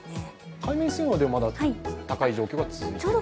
海面水温はまだ高い状態が続いていますか。